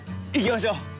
はい行きましょう！